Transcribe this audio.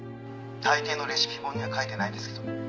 大抵のレシピ本には書いてないですけど。